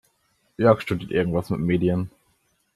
Jörg studiert irgendwas mit Medien.